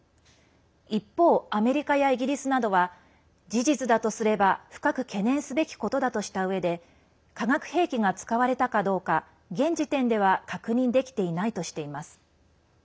一方、アメリカやイギリスなどは事実だとすれば、深く懸念すべきことだとしたうえで化学兵器が使われたかどうか現時点では確認できていないとしています。